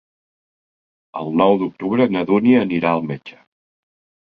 El nou d'octubre na Dúnia anirà al metge.